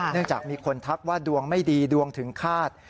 จากมีคนทักว่าดวงไม่ดีดวงถึงคาด